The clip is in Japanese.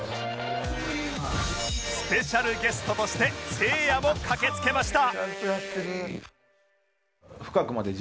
スペシャルゲストとしてせいやも駆けつけました